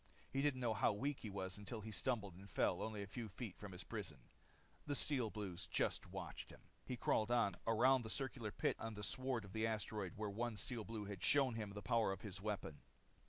He didn't know how weak he was until he stumbled and fell only a few feet from his prison. The Steel Blues just watched him. He crawled on, around the circular pit in the sward of the asteroid where one Steel Blue had shown him the power of his weapon.